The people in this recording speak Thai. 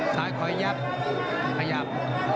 คอยยับขยับผ่า